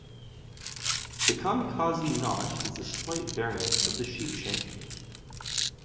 The kamikaze knot is a slight variant of the sheepshank.